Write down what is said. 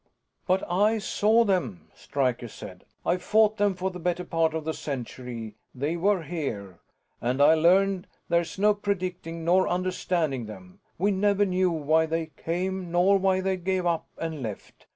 "But I saw them," Stryker said. "I fought them for the better part of the century they were here, and I learned there's no predicting nor understanding them. We never knew why they came nor why they gave up and left.